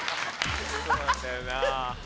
そうなんだよな。